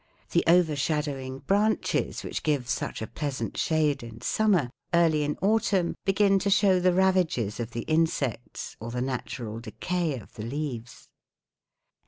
The overshadowing branches, which give such a pleasant shade in summer, early in autumn begin to show the ravages of the insects or the natural decay of the leaves."